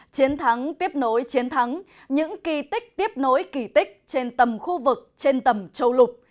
chiến thắng tiếp nối chiến thắng những kỳ tích tiếp nối kỳ tích trên tầm khu vực trên tầm châu lục